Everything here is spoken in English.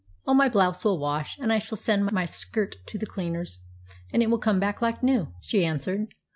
"Oh, my blouse will wash, and I shall send my skirt to the cleaners, and it will come back like new," she answered.